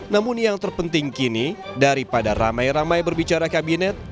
namun yang terpenting kini daripada ramai ramai berbicara kabinet